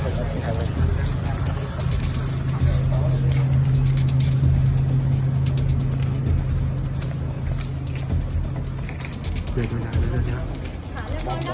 อะไรค่ะเพราะสิ่งที่นิ่มทำไปก็